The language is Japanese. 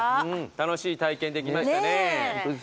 楽しい体験できましたね。